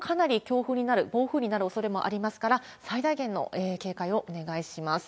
大阪もこの風が西から入ってくると、かなり強風になる、暴風になるおそれもありますから、最大限の警戒をお願いします。